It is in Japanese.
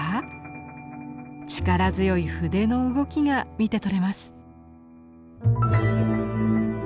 力強い筆の動きが見て取れます。